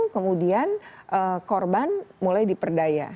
kemudian korban mulai diperdaya